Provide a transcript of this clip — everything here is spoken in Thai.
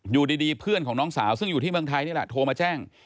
อยู่ดีเพื่อนของน้องสาวซึ่งอยู่ที่เมืองไทยนี่แหละโทรมาแจ้ง